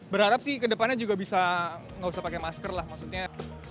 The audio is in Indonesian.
berharap sih ke depannya juga bisa nggak usah pakai masker lah maksudnya